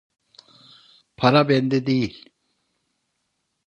Para bende değil.